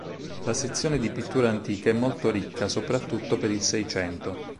La sezione di pittura antica è molto ricca, soprattutto per il Seicento.